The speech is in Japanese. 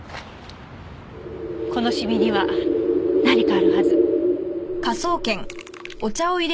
このシミには何かあるはず。